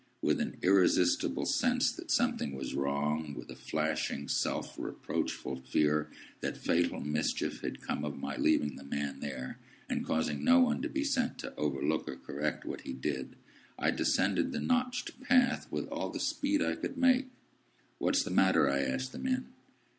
With an irresistible sense that something was wrong,—with a flashing self reproachful fear that fatal mischief had come of my leaving the man there, and causing no one to be sent to overlook or correct what he did,—I descended the notched path with all the speed I could make. "What is the matter?" I asked the men.